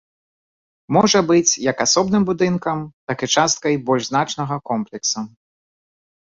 Можа быць як асобным будынкам, так і часткай больш значнага комплекса.